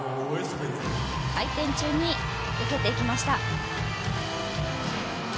回転中に受けていきました。